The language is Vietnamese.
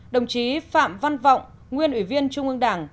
đồng chí phạm văn vọng nguyên ủy viên trung ương đảng